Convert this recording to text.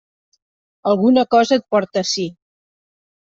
Alguna cosa et porta ací.